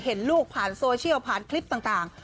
เห็นลูกผ่านโซเชียลผ่านคลิปต่าง